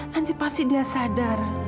nanti pasti dia sadar